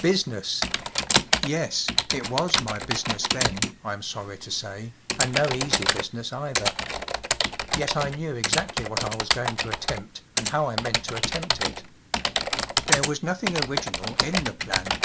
Business! Yes‚ÄĒit was my business then, Tm sorry to say, and no easy business either. Yet I knew exactly what I was going to attempt and how I meant to attempt it. There was nothing original in the plan.